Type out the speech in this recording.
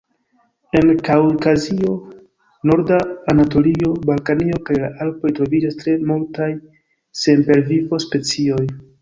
En Kaŭkazio, norda Anatolio, Balkanio kaj la Alpoj troviĝas tre multaj sempervivo-specioj.